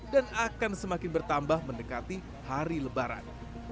dan akan semakin bertambah mendekati hari lebaran